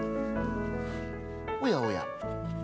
おやおや。